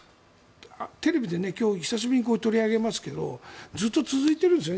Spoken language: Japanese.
テレビで今日久しぶりに取り上げますけどずっと続いているんですよ。